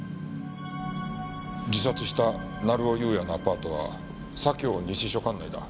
自殺した成尾優也のアパートは左京西署管内だ。